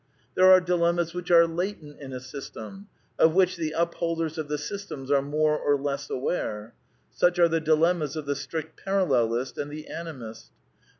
There are dilemmas which are latent in a system, of L^ which the upholders of the systems are more or less aware, v Such are the dilemmas of the strict Parallelist and the Animist.